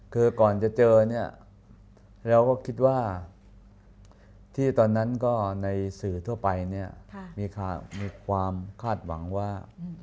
คือก่อนจะเจอเนี่ยเราก็คิดว่าที่ตอนนั้นก็ในสื่อทั่วไปเนี่ยมีความคาดหวังว่า